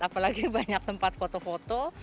apalagi banyak tempat foto foto